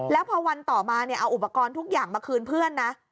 แล้วพอวันต่อมาเนี่ยเอาอุปกรณ์ทุกอย่างมาคืนเพื่อนนะ